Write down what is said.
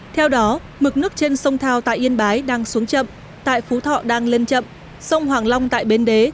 theo đó mực nước trên sông thao tại yên bái đang xuống chậm tại phú thọ đang lên chậm sông hoàng long tại bến